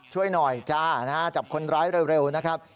ช่วยหน่อยจ้าจับคนร้ายเร็วนะครับ